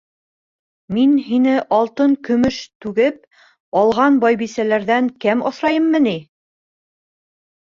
Мин һине алтын-көмөш түгеп алған байбисәләрҙән кәм аҫрайыммы ни.